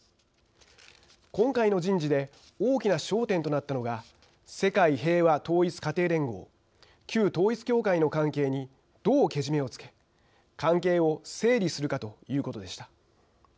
今回の人事で大きな焦点となったのが世界平和統一家庭連合旧統一教会の関係にどう、けじめをつけ関係を整理するかということでした。